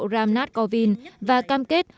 ram nath kovind và cam kết